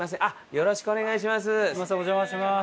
よろしくお願いします。